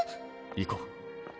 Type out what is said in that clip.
行こう。